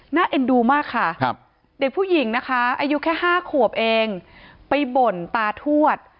เอ็นดูมากค่ะเด็กผู้หญิงนะคะอายุแค่๕ขวบเองไปบ่นตาทวด